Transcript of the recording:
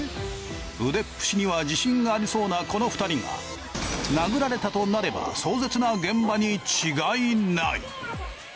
腕っぷしには自信がありそうなこの２人が殴られたとなれば壮絶な現場に違いない。